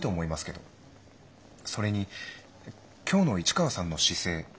それに今日の市川さんの姿勢